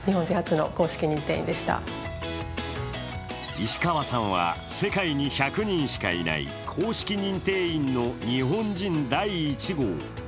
石川さんは世界に１００人しかいない公式認定員の日本人第一号。